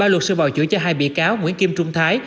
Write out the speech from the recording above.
ba luật sư bảo chữa cho hai bị cáo nguyễn kim trung thái